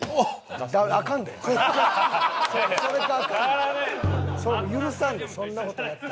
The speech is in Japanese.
許さんでそんな事やったら。